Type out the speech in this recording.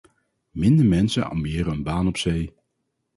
Minder mensen ambiëren een baan op zee.